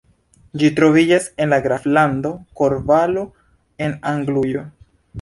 Ĝi troviĝas en la graflando Kornvalo en Anglujo.